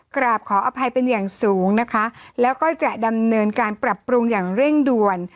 กราบขออภัยเป็นอย่างสูงนะคะแล้วก็จะดำเนินการปรับปรุงอย่างเร่งด่วน